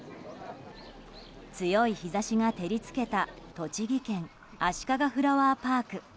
強い日差しが照り付けた栃木県あしかがフラワーパーク。